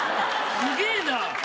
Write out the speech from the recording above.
すげえな！